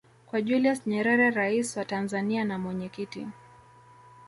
kwa Julius Nyerere Rais wa Tanzania na mwenyekiti